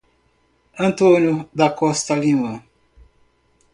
Antônio da Costa Lima